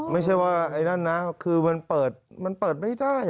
ไม่ใช่ว่าไหนนั่นนะคือมันเปิดไม่ได้